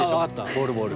ボールボール。